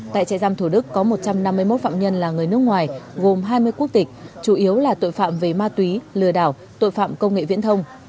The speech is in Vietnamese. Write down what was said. tại trại giam thủ đức có một trăm năm mươi một phạm nhân là người nước ngoài gồm hai mươi quốc tịch chủ yếu là tội phạm về ma túy lừa đảo tội phạm công nghệ viễn thông